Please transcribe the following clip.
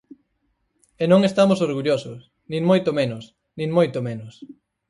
E non estamos orgullosos, nin moito menos, nin moito menos.